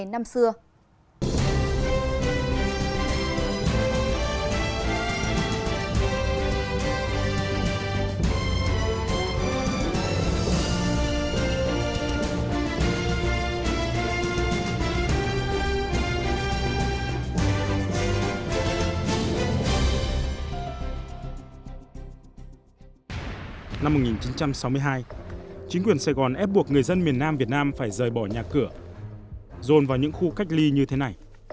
năm một nghìn chín trăm sáu mươi hai chính quyền sài gòn ép buộc người dân miền nam việt nam phải rời bỏ nhà cửa